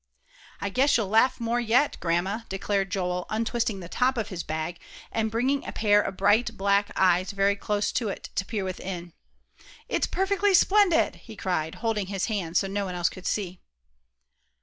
"I guess you'll laugh more yet, Grandma," declared Joel, untwisting the top of his bag, and bringing a pair of bright black eyes very close to it to peer within. "It's perfectly splendid!" he cried, holding his hands so no one else could see.